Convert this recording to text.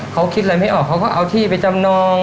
เขาคิดอะไรไม่ออกเขาก็เอาที่ไปจำนอง